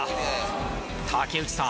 竹内さん